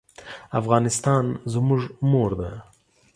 افغانستان زموږ مور ده